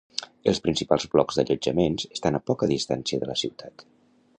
Els principals blocs d'allotjaments estan a poca distància de la ciutat.